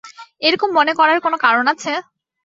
এ-রকম মনে করার কোনো কারণ আছে?